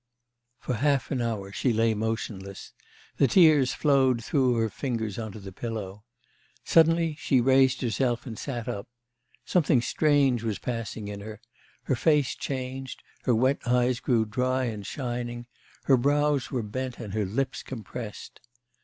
For half an hour she lay motionless; the tears flowed through her fingers on to the pillow. Suddenly she raised herself and sat up, something strange was passing in her, her face changed, her wet eyes grew dry and shining, her brows were bent and her lips compressed.